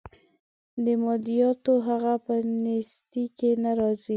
د مادیاتو هغه په نیستۍ کې نه راځي.